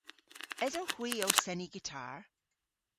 Esowgh hwi ow seni gitar?